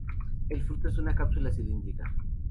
El fruto es una cápsula cilíndrica.